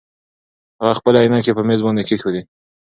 هغه خپلې عینکې په مېز باندې کېښودې.